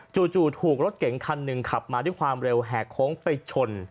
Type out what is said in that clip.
จู่ถูกรถเก๋งคันหนึ่งขับมาด้วยความเร็วแหกโค้งไปชน